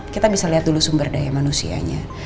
kita bisa lihat dulu sumber daya manusianya